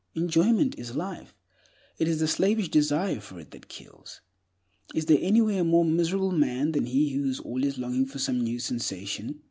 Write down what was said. Enjoyment is life; it is the slavish desire for it that kills. Is there anywhere a more miserable man than he who is always longing for some new sensation?